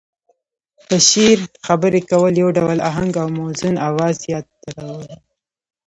په شعر خبرې کول يو ډول اهنګ او موزون اواز ياد ته راولي.